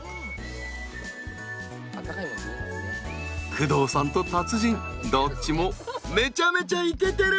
工藤さんと達人どっちもめちゃめちゃイケてる！